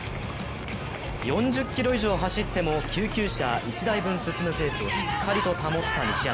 ４０ｋｍ以上走っても救急車１台分進むペースをしっかりと保った西山。